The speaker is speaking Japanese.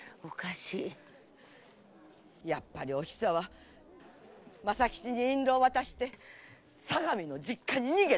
やっぱりおひさは政吉に引導を渡して相模の実家に逃げたんだ！